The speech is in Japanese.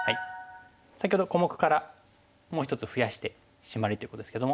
先ほど小目からもう１つ増やしてシマリということですけども。